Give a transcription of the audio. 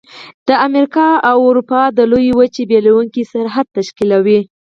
د امریکا او اروپا د لویې وچې بیلونکی سرحد تشکیلوي.